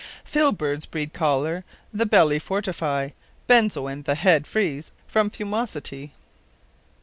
_Filberds breed Chollar, Th' Belly Fortifie, Benzoin the Head frees from Fumosity.